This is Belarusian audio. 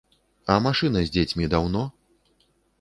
А машына з дзецьмі даўно?